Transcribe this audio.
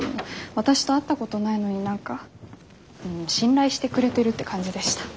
私と会ったことないのに何か信頼してくれてるって感じでした。